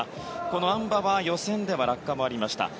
このあん馬は予選では落下もありました。